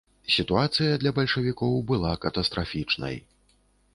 Сітуацыя для бальшавікоў была катастрафічнай.